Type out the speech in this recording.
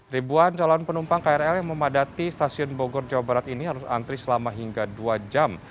ribuan calon penumpang krl yang memadati stasiun bogor jawa barat ini harus antri selama hingga dua jam